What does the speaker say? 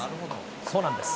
そうなんです。